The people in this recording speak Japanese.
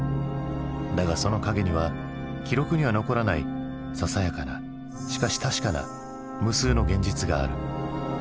だがその陰には記録には残らないささやかなしかし確かな無数の現実がある。